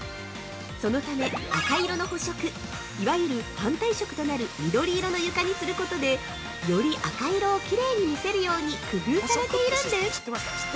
そのため赤色の補色、いわゆる反対色となる緑色の床にする事でより赤色をきれいに見せるように工夫されているんです。